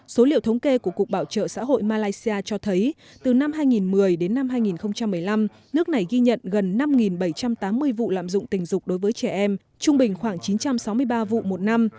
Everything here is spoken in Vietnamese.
số liệu thống kê của cục bảo trợ xã hội malaysia cho thấy từ năm hai nghìn một mươi đến năm hai nghìn một mươi năm nước này ghi nhận gần năm bảy trăm tám mươi vụ lạm dụng tình dục đối với trẻ em trung bình khoảng chín trăm sáu mươi ba vụ một năm